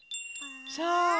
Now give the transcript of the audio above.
そう！